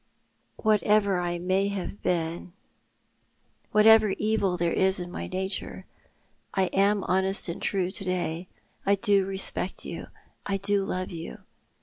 " Whatever I may have been — 314 Thou a7't the Man. ■whatever evil there is in my nature — I am honest and true to day. I do respect you, I do love you.